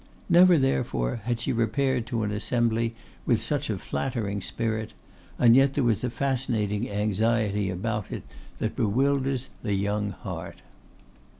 Never, therefore, had she repaired to an assembly with such a flattering spirit; and yet there was a fascinating anxiety about it that bewilders the young heart.